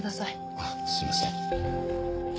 あっすみません。